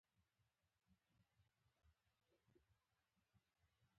پخو سلوکو کې نېکي وي